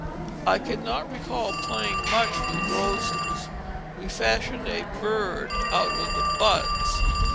I cannot recall playing much with roses; we fashioned a bird out of the buds.